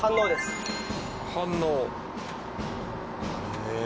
へえ！